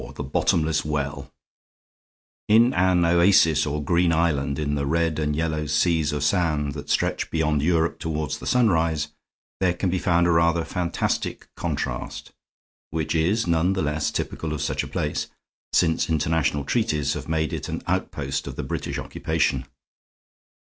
IV. THE BOTTOMLESS WELL In an oasis, or green island, in the red and yellow seas of sand that stretch beyond Europe toward the sunrise, there can be found a rather fantastic contrast, which is none the less typical of such a place, since international treaties have made it an outpost of the British occupation.